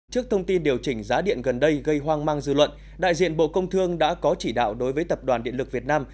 trước thông tin điều chỉnh giá điện gần đây gây hoang mang dư luận đại diện bộ công thương đã có chỉ đạo đối với tập đoàn điện lực việt nam